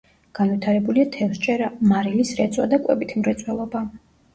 განვითარებულია თევზჭერა, მარილის რეწვა და კვებითი მრეწველობა.